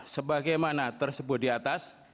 sebagaimana tersebut di atas